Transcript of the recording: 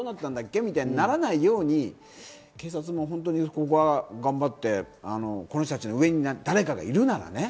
みたいにならないように警察もここは頑張って、この人たちの上に誰かがいるならね。